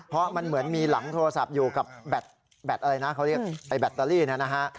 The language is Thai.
เพราะมันเหมือนมีหลังโทรศัพท์อยู่กับแบตอะไรนะเขาเรียกไอ้แบตเตอรี่นะฮะ